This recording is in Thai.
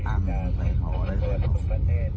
มาทรงตำรวจเลยพี่ผมสร้างเกียรติแสงตัวแบบ